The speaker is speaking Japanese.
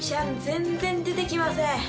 全然出てきません。